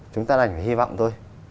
chúng ta đành hy vọng thôi